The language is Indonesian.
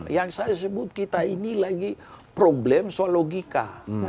yang saya sebut kita ini lagi problem soal logika